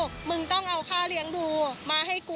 ควิทยาลัยเชียร์สวัสดีครับ